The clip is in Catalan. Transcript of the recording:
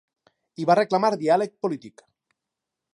I va reclamar diàleg polític.